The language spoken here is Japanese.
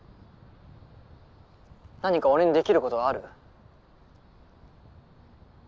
何か俺にできることはある？